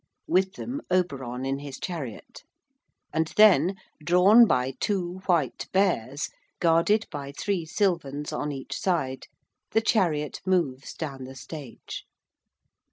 With them Oberon in his chariot. And then, drawn by two white bears, guarded by three Sylvans on each side, the chariot moves down the stage.